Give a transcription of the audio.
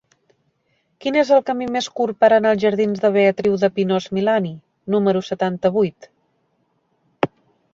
Quin és el camí més curt per anar als jardins de Beatriu de Pinós-Milany número setanta-vuit?